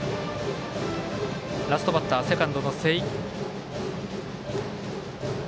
ラストバッター、セカンドの瀬井。